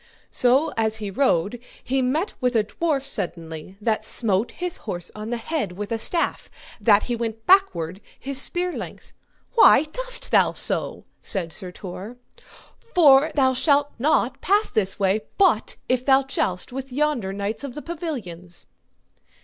So as he rode he met with a dwarf suddenly that smote his horse on the head with a staff, that he went backward his spear length. Why dost thou so? said Sir Tor. For thou shalt not pass this way, but if thou joust with yonder knights of the pavilions.